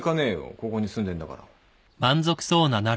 ここに住んでんだから。